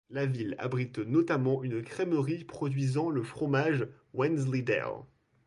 La ville abrite notamment une crèmerie produisant le fromage Wensleydale.